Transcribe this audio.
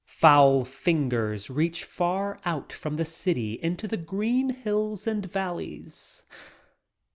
Foul fingers reach far out from the city into the green hills and valleys.